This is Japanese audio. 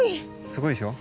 すごいでしょ。